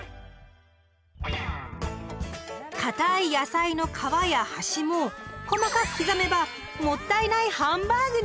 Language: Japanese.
かたい野菜の皮や端も細かく刻めば「もったいないハンバーグ」に！